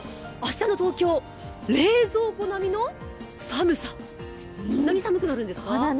明日の東京、冷蔵庫並みの寒さ、そんなに寒くなるんですか。